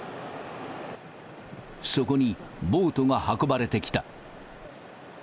そこにボートが運ばれてきた。